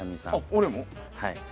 俺も？